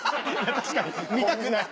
確かに見たくない。